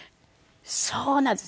そうなんです。